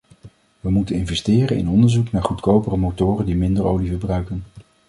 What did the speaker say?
We moeten investeren in onderzoek naar goedkopere motoren die minder olie verbruiken.